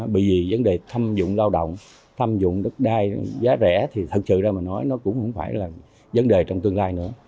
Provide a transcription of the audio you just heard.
bởi vì vấn đề thâm dụng lao động thâm dụng đất đai giá rẻ thì thật sự ra mà nói nó cũng không phải là vấn đề trong tương lai nữa